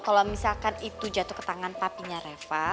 kalau misalkan itu jatuh ke tangan papinya reva